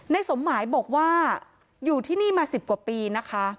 สมหมายบอกว่าอยู่ที่นี่มา๑๐กว่าปีนะคะ